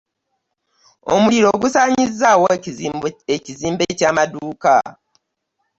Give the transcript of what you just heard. Omuliro gusanyizaawo ekizimbe kyamaduuka .